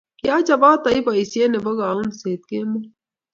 Kiachopot aip boisyet nebo kauiseet kemoi.